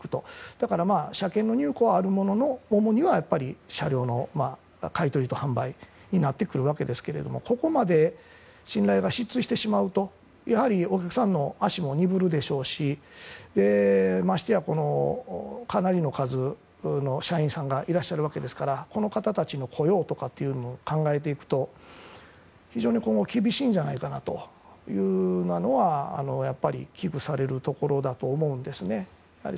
だから車検の入庫はあるものの主には車両の買い取りと販売になってくるわけですがここまで信頼が失墜してしまうとやはり、お客さんの足も鈍るでしょうしましてやかなりの数の社員さんがいらっしゃるわけですからこの方たちの雇用とかも考えていくと非常に厳しいんじゃないかなというのはやっぱり、危惧されるところだと思うんですね。